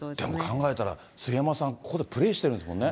考えたら、杉山さん、ここでプレーしてるんですもんね。